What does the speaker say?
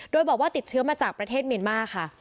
โดยบอกว่าติดเชื้อมาจากประเทศเมียนมาร์ค่ะ